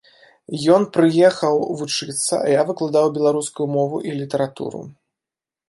Ён прыехаў вучыцца, а я выкладаў беларускую мову і літаратуру.